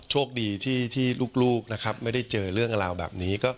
โชคดีที่ลูกไม่ได้เจอเรื่องอร่าวแบบนี้